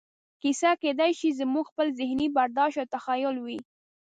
کیسه کېدای شي زموږ خپل ذهني برداشت یا تخیل وي.